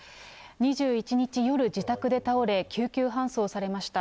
２１日夜、自宅で倒れ、救急搬送されました。